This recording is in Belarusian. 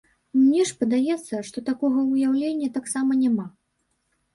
Мне ж падаецца, што такога ўяўлення таксама няма.